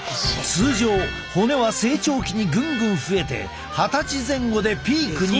通常骨は成長期にぐんぐん増えて二十歳前後でピークに。